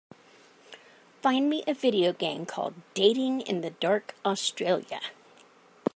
Find me a video game called Dating in the Dark Australia